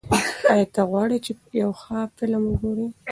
ایا ته غواړې چې یو ښه فلم وګورې؟